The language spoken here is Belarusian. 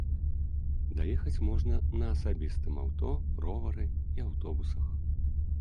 Даехаць можна на асабістым аўто, ровары і аўтобусах.